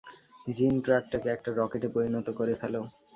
জিন, ট্রাকটাকে একটা রকেটে পরিণত করে ফেলো।